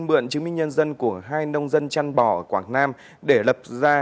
mượn chứng minh nhân dân của hai nông dân chăn bò ở quảng nam để lập ra